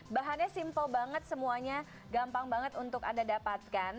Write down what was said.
bahannya simple banget semuanya gampang banget untuk anda dapatkan